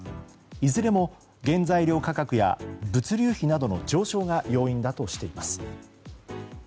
いずれも原材料価格や物流費などの上昇が要因だとしています。